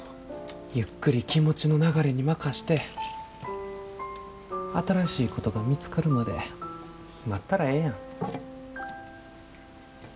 ゆっくり気持ちの流れに任して新しいことが見つかるまで待ったらええやん。